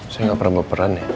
saya gak pernah baperan ya